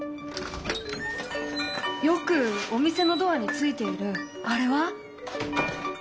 よくお店のドアについているあれは？